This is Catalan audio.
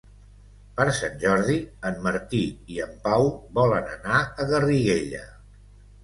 Per Sant Jordi en Martí i en Pau volen anar a Garriguella.